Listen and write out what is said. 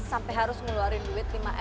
sampai harus ngeluarin duit lima m